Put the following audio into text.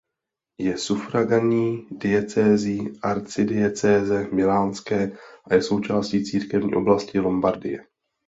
Je sufragánní diecézí arcidiecéze milánské a je součástí církevní oblasti Lombardie.